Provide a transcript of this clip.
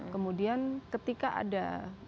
kemudian ketika ada